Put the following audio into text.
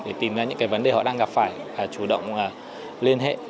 để tìm ra những cái vấn đề họ đang gặp phải chủ động liên hệ